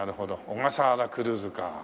「小笠原クルーズ」か。